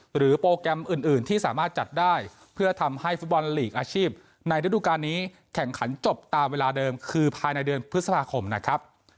โปรแกรมอื่นที่สามารถจัดได้เพื่อทำให้ฟุตบอลลีกอาชีพในฤดูการนี้แข่งขันจบตามเวลาเดิมคือภายในเดือนพฤษภาคมนะครับ